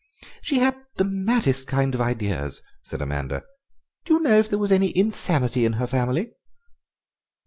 "She had the maddest kind of ideas," said Amanda; "do you know if there was any insanity in her family?"